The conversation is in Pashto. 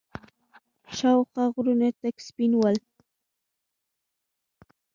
شاوخوا غرونه تک سپين ول.